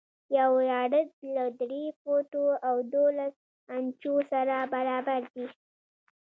یو یارډ له درې فوټو او دولس انچو سره برابر دی.